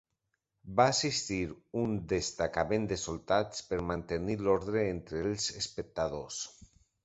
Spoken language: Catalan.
Va assistir un destacament de soldats per mantenir l'ordre entre els espectadors.